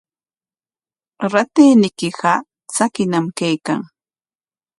Ratayniykiqa tsakiñam kaykan.